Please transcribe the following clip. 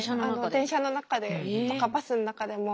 電車の中でとかバスの中でも。